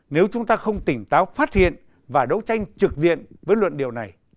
nếu chúng ta không tỉnh táo phát hiện và đấu tranh trực diện với luận điều này